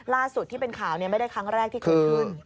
ล่าสุดที่เป็นข่าวไม่ได้ครั้งแรกที่เกิดขึ้น